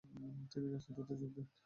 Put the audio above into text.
তিনি রাজনীতিতে যোগ দেন।